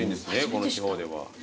この地方では。